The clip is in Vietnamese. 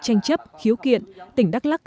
tranh chấp khiếu kiện tỉnh đắk lắc